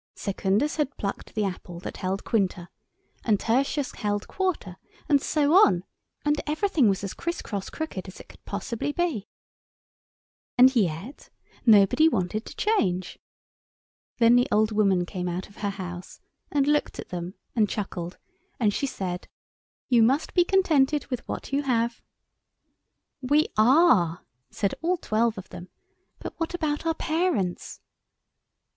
Secundus had plucked the apple that held Quinta, and Tertius held Quarta, and so on—and everything was as criss cross crooked as it possibly could be. And yet nobody wanted to change. Then the old woman came out of her house and looked at them and chuckled, and she said— "You must be contented with what you have." "We are," said all twelve of them, "but what about our parents?"